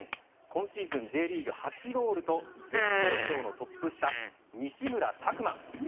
今シーズン、Ｊリーグ８ゴールと絶好調のトップ下西村拓真。